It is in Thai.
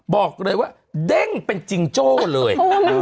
บอกเลยว่าเด้งเป็นจิงโจ้เลย